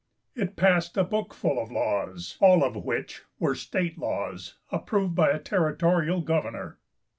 It passed a book full of laws, all of which were state laws, approved by a territorial governor.